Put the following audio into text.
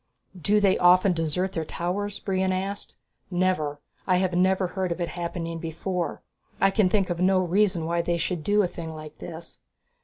"Do they often desert their towers?" Brion asked. "Never. I have never heard of it happening before. I can think of no reason why they should do a thing like this."